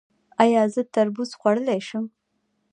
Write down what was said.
ایا زه تربوز خوړلی شم؟